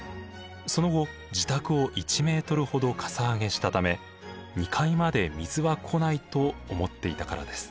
その後自宅を１ｍほどかさ上げしたため２階まで水は来ないと思っていたからです。